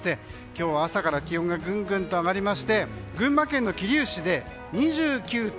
今日は朝から気温がぐんぐん上がりまして群馬県の桐生市で２９．７度。